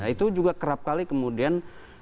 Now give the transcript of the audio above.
itu juga kerap kali kemudian